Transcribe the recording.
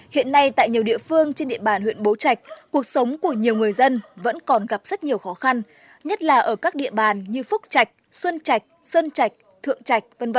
hiện nay tại nhiều địa phương trên địa bàn huyện bố trạch cuộc sống của nhiều người dân vẫn còn gặp rất nhiều khó khăn nhất là ở các địa bàn như phúc trạch xuân trạch sơn trạch thượng trạch